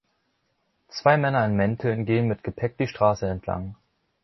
Zwei Männer in Mänteln gehen mit Gepäck die Straße entlang.